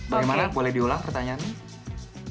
bagaimana boleh diulang pertanyaannya